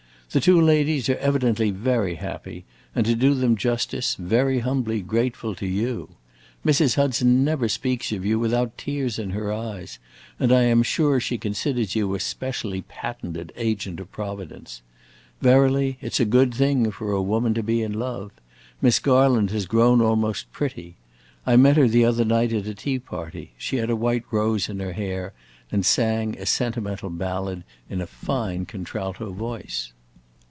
The two ladies are evidently very happy, and, to do them justice, very humbly grateful to you. Mrs. Hudson never speaks of you without tears in her eyes, and I am sure she considers you a specially patented agent of Providence. Verily, it 's a good thing for a woman to be in love: Miss Garland has grown almost pretty. I met her the other night at a tea party; she had a white rose in her hair, and sang a sentimental ballad in a fine contralto voice."